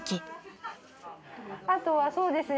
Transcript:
あとはそうですね